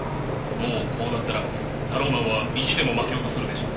もうこうなったらタローマンは意地でも負けようとするでしょうな。